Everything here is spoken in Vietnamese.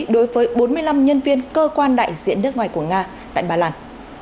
đối với bốn mươi năm nhân viên cơ quan đại diện nước ngoài của nga tại ba lan